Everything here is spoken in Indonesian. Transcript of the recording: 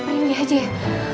tidak ada yang bisa dipulih